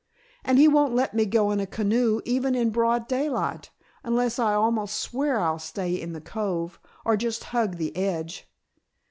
And he won't let me go in a canoe even in broad daylight, unless I almost swear I'll stay in the cove, or just hug the edge.